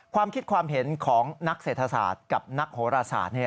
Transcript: ความคิดความเห็นของนักเศรษฐศาสตร์กับนักโหรศาสตร์